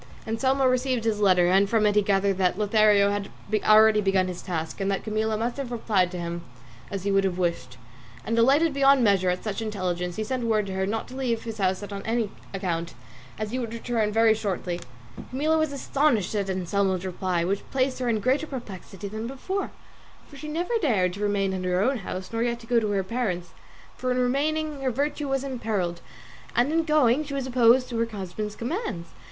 Anselmo received this letter, and from it he gathered that Lothario had already begun his task and that Camilla must have replied to him as he would have wished; and delighted beyond measure at such intelligence he sent word to her not to leave his house on any account, as he would very shortly return. Camilla was astonished at Anselmo's reply, which placed her in greater perplexity than before, for she neither dared to remain in her own house, nor yet to go to her parents'; for in remaining her virtue was imperilled, and in going she was opposing her husband's commands.